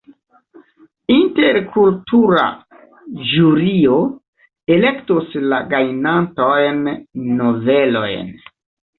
Interkultura ĵurio elektos la gajnantajn novelojn.